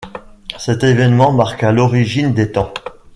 Cet événement marqua l'origine des temps.